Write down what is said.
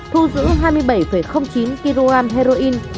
thu giữ hai mươi bảy chín kg heroin